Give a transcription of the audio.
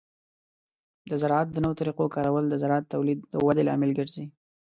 د زراعت د نوو طریقو کارول د زراعتي تولید د ودې لامل ګرځي.